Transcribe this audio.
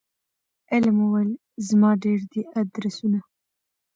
علم وویل زما ډیر دي آدرسونه